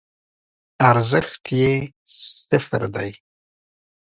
ارزښت یی صفر دی